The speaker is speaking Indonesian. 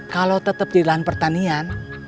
kalau tetep jadi lahan pertanian